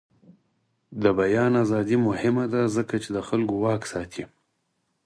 د بیان ازادي مهمه ده ځکه چې د خلکو واک ساتي.